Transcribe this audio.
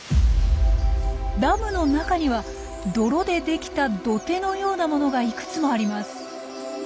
ダムの中には泥で出来た土手のようなものがいくつもあります。